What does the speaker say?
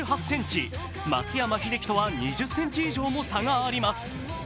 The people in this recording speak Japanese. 松山英樹とは２０ｃｍ以上も差があります。